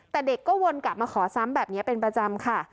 แต่เด็กก็วนกลับมาขอซ้ำแบบนี้เป็นประจำค่ะ